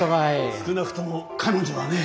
少なくとも彼女はね。